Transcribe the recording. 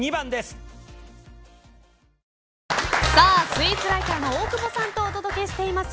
スイーツライターの大久保さんとお届けしています